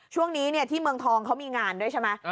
ช่วงนี้ที่เมืองทองเขามีงานด้วยใช่ไหม